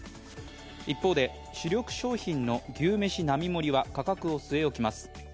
一方で、主力商品の牛めし並盛は価格を据え置きます。